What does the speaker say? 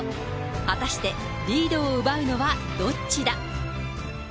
果たしてリードを奪うのはどっちだ。